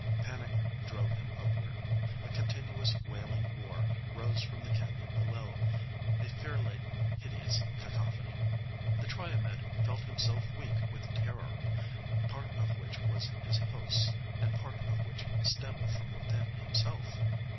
Panic drove him upward. A continuous, wailing roar rose from the canyon below, a fear laden hideous cacophony. The Triomed felt himself weak with terror, part of which was his host's and part of which stemmed from within himself.